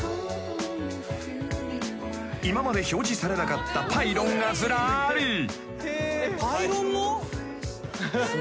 ［今まで表示されなかったパイロンがずらり］